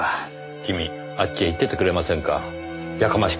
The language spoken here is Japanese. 君あっちへ行っててくれませんか？